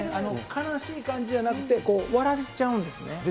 悲しい感じじゃなくて、笑っちゃうんですね。